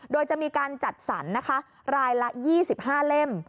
โดยจะมีการจัดสรรนะคะรายละ๒๕เล่ม